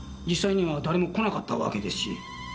実際には誰も来なかったわけですし。